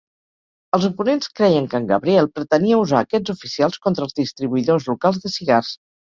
Els oponents creien que en Gabriel pretenia usar aquests oficials contra els distribuïdors locals de cigars.